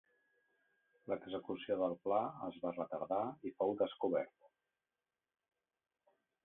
L'execució del pla es va retardar i fou descobert.